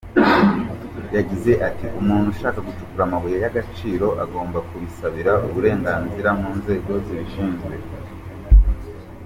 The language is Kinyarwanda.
Yagize ati,"Umuntu ushaka gucukura amabuye y’agaciro agomba kubisabira uburenganzira mu nzego zibishinzwe.